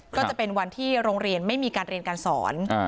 ก็จะเป็นวันที่โรงเรียนไม่มีการเรียนการสอน